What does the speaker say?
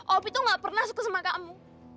opi itu gak pernah suka sama kamu